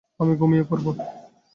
আমি ঘুমিয়ে পড়বো।